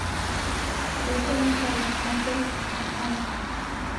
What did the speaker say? kusekelomba na oho ghikupate.